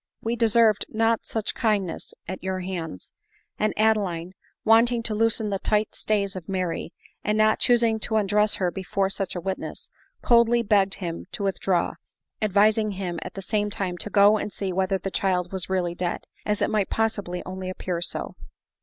we de served not such kindness at your hands ;'* and Adeline, wanting to loosen the tight stays of Mary, and not choos ing to undress her before such a witness, coldly begged him to withdraw, advising him at the same time to go and see whether the child was really dead, as it might pos sibly only appear so.